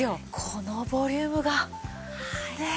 このボリュームがねえ。